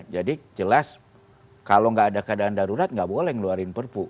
jadi jelas kalau tidak ada keadaan darurat tidak boleh mengeluarkan perpu